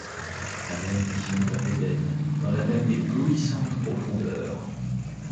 La même vision d'un éden, dans la même Éblouissante profondeur.